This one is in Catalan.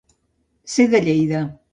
Ser de Lleida.